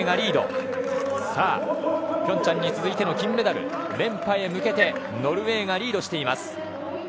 平昌に続いての金メダル連覇へ向けてノルウェーがリードしています。